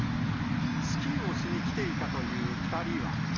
スキーをしに来ていたという２人は。